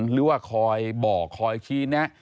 หรือว่าคอยบอกคอยชี้แนะ